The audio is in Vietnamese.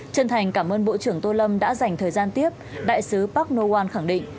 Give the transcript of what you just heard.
chân thành cảm ơn bộ trưởng tô lâm đã dành thời gian tiếp đại sứ park nohon khẳng định